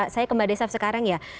saya ke mbak desaf sekarang ya